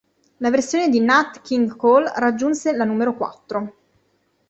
La versione di Nat King Cole raggiunse la numero quattro.